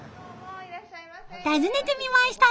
訪ねてみました！